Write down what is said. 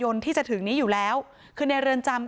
พร้อมด้วยผลตำรวจเอกนรัฐสวิตนันอธิบดีกรมราชทัน